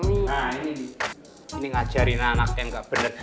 ini ngajarin anak anak yang gak bener